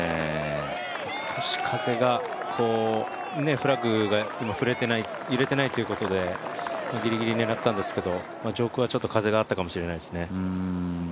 少し風が、フラッグが揺れてないということでギリギリ狙ってたんですけど、上空は少し風があったかもしれないですね。